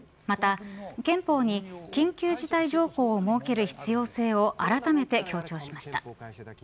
また憲法に緊急事態情報を設ける必要性をあらためて強調しました。